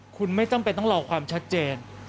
คุณไม่จำเป็นต้องรอความชัดเจน